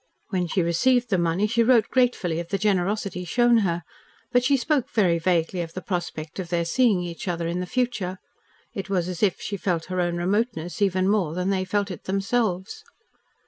When she received the money she wrote gratefully of the generosity shown her, but she spoke very vaguely of the prospect of their seeing each other in the future. It was as if she felt her own remoteness even more than they felt it themselves.